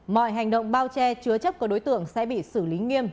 mọi hành động bao che chứa chấp của đối tượng sẽ bị xử lý nghiêm